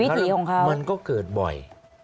วิถีนมันก็เกิดบ่อย